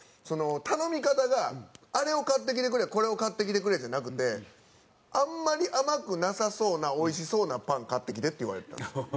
頼み方があれを買ってきてくれこれを買ってきてくれじゃなくてあんまり甘くなさそうなおいしそうなパン買ってきてって言われてたんですよ。